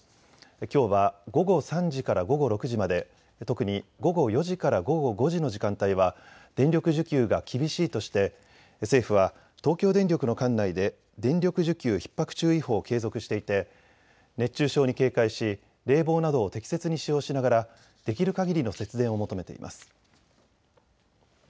きょうは午後３時から午後６時まで、特に午後４時から午後５時の時間帯は電力需給が厳しいとして政府は東京電力の管内で電力需給ひっ迫注意報を継続していて熱中症に警戒し冷房などを適切に使用しながらできるかぎりの節電を求めています。